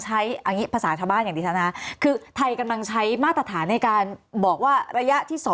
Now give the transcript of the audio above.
ใช้อังงี้ภาษาชาบาลอย่างลิธนาคือไทยกำลังใช้มาตรฐานในการบอกว่าระยะที่